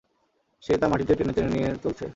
সে তা মাটিতে টেনে টেনে নিয়ে চলছে।